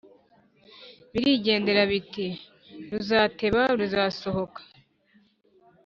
birigendera, biti:"ruzateba, ruzasohoka."